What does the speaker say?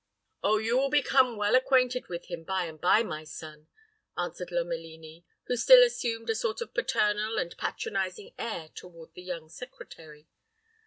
"Oh, you will become well acquainted with him by and by, my son," answered Lomelini, who still assumed a sort of paternal and patronizing air toward the young secretary.